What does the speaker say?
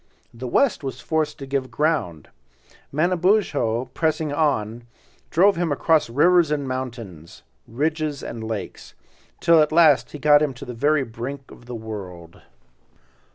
The West was forced to give ground. Manabozho pressing on, drove him across rivers and mountains, ridges and lakes, till at last he got him to the very brink of the world.